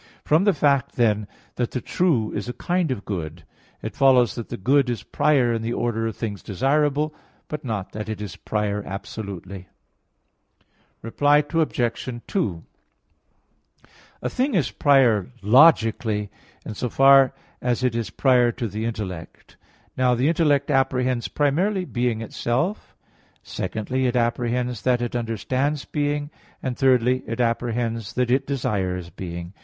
From the fact, then, that the true is a kind of good, it follows that the good is prior in the order of things desirable; but not that it is prior absolutely. Reply Obj. 2: A thing is prior logically in so far as it is prior to the intellect. Now the intellect apprehends primarily being itself; secondly, it apprehends that it understands being; and thirdly, it apprehends that it desires being.